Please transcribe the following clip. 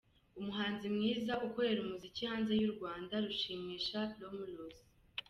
Umuhanzi mwiza ukorera umuziki hanze y’u Rwanda: Rushimisha Romulus.